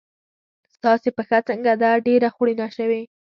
ستاسې پښه څنګه ده؟ ډېره خوړینه شوې.